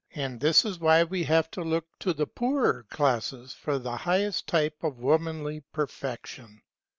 And this is why we have to look to the poorer classes for the highest type of womanly perfection.